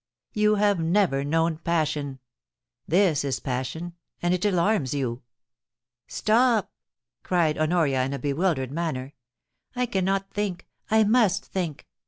You have never known passion. This is passion, and it alarms you.' * Stop !' cried Honoria, in a bewildered manner ;* I can not think. I must think.